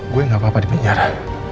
gue gak apa apa di penjara